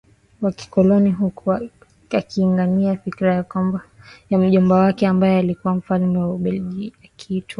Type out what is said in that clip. wa kikoloni huku akilingania fikra za mjomba wake ambaye alikuwa mfalme wa Ubelgiji akiitwa